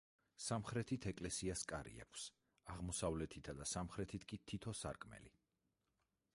სამხრეთით ეკლესიას კარი აქვს, აღმოსავლეთითა და სამხრეთით კი თითო სარკმელი.